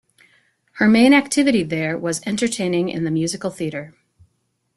Her main activity there was entertaining in the musical theater.